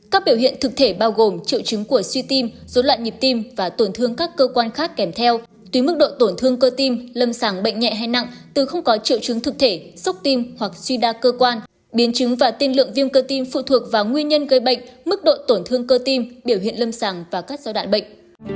các biểu hiện thực thể bao gồm triệu chứng của suy tim dối loạn nhịp tim và tổn thương các cơ quan khác kèm theo tùy mức độ tổn thương cơ tim lâm sàng bệnh nhẹ hay nặng từ không có triệu chứng thực thể sốc tim hoặc suy đa cơ quan biến chứng và tin lượng viêm cơ tim phụ thuộc vào nguyên nhân gây bệnh mức độ tổn thương cơ tim biểu hiện lâm sàng và các giai đoạn bệnh